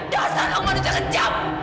dasar kamu manusia kejam